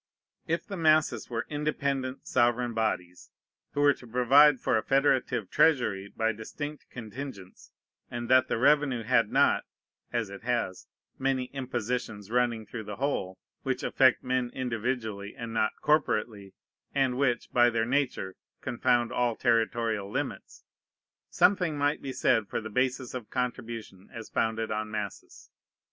If the masses were independent, sovereign bodies, who were to provide for a federative treasury by distinct contingents, and that the revenue had not (as it has) many impositions running through the whole, which affect men individually, and not corporately, and which, by their nature, confound all territorial limits, something might be said for the basis of contribution as founded on masses.